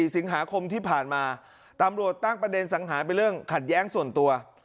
สิงหาคมที่ผ่านมาตำรวจตั้งประเด็นสังหารเป็นเรื่องขัดแย้งส่วนตัว